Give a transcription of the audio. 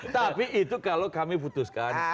tapi itu kalau kami putuskan